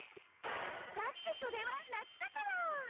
だってそれは夏だから！